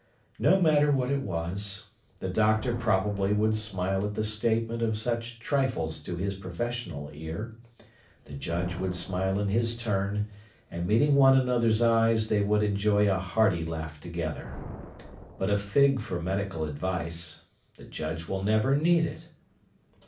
No matter what it was. The doctor probably would smile at the statement of such trifles to his professional ear; the Judge would smile in his turn; and meeting one another's eyes, they would enjoy a hearty laugh together! But a fig for medical advice. The Judge will never need it.